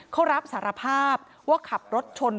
เขารับสารภาพว่าขับรถชน